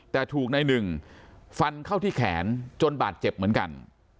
แต่ถูกนายหนึ่งฟันเข้าที่แขนจนบาดเจ็บเหมือนกัน